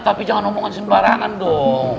tapi jangan omongan sembarangan dong